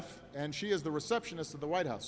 dan dia pembantunya di white house